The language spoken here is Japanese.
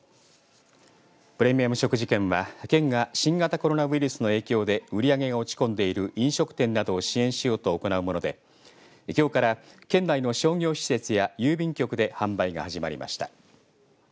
プレミアム食事券は県が新型コロナウイルスの影響で売り上げが落ち込んでいる飲食店などを支援しようと行うものできょうから県内の商業施設や郵便局で販売が始まりました。